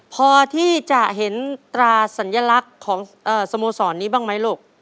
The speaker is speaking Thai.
พอที่จะเห็นตราสัญลักษณ์ของสโมสรนี้บ้างไหมลูก